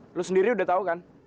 lu sendiri udah tahu kan